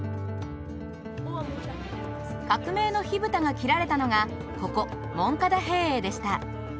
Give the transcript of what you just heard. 革命の火蓋が切られたのがここモンカダ兵営でした。